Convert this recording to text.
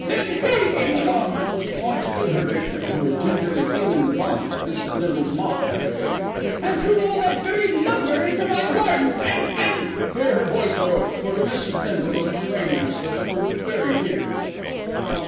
Then he came along" she pointed to her victim who was gingerly feeling the bump that Mrs. Bindle's mop had raised "and threw all that dirty lumber into my garden, and and " Here her voice broke, for to Mrs. Bindle those geranium slips were very dear.